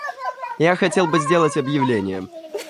Я хотел бы сделать объявление.